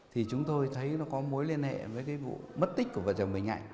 thì chúng tôi thấy nó có mối liên hệ với cái vụ mất tích của vật chứng bệnh ngại